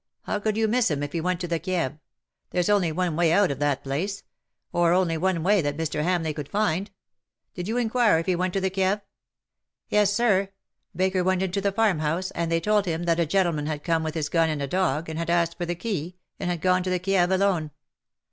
How could you miss him if he went to the Kieve ? There's only one way out of that place — or only one way that Mr. Samleigh could find. Did you inquire if he went to the Kieve T' " Yes, Sir. Baker went into the farmhouse, and they told him that a gentleman had come with his gun and a dog, and had asked for the key, and had gone to the Kieve alone.